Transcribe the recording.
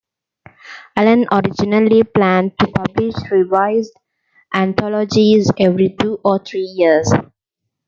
Allen originally planned to publish revised anthologies every two or three years.